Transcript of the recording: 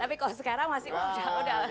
tapi kalau sekarang masih udah